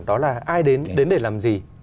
đó là ai đến đến để làm gì